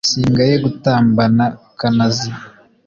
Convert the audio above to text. singaye gutambana kanazi.